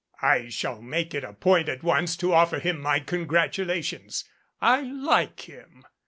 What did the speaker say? "I shall make it a point at once to offer him my congratulations. I like him."